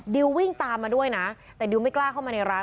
วิ่งตามมาด้วยนะแต่ดิวไม่กล้าเข้ามาในร้าน